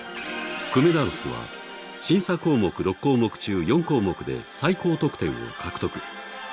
くめだんすは審査項目６項目中４項目で最高得点を獲得。